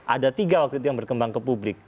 ada tiga waktu itu yang berkembang ke publik